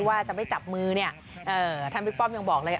ว่าจะไม่จับมือเนี่ยท่านบิ๊กป้อมยังบอกเลย